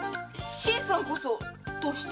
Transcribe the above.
新さんこそどうして？